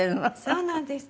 そうなんです。